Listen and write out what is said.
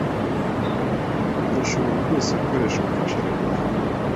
Turashobora rwose gukoresha ubufasha runaka.